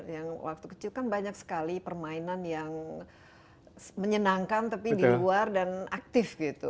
yang waktu kecil kan banyak sekali permainan yang menyenangkan tapi di luar dan aktif gitu